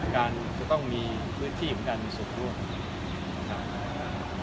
การจะต้องมีพืชที่ของการมีสนบัตร